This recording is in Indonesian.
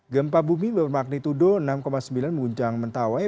gempa bumi bermagnitudo enam sembilan menguncang mentawai